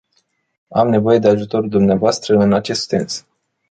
Am nevoie de ajutorul dvs în acest sens.